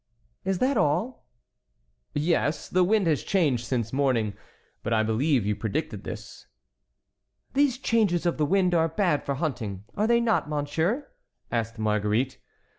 "Is that all?" "Yes, the wind has changed since morning; but I believe you predicted this." "These changes of the wind are bad for hunting, are they not, monsieur?" asked Marguerite.